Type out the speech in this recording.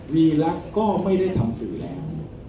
วีรักษ์ก็ไม่ได้ทำสื่อแล้ว